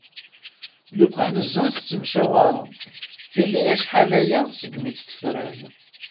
Lukan zun tettemcawarem, dili acḥal-aya segmi tt-tefram.